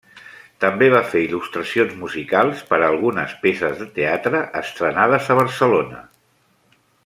També va fer il·lustracions musicals per a algunes peces de teatre, estrenades a Barcelona.